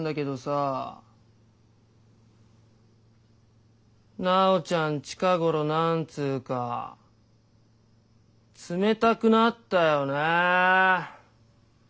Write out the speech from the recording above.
ー楠宝ちゃん近頃なんつーか冷たくなったよねぇ。